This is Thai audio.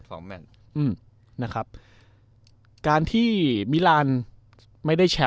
โอ้โห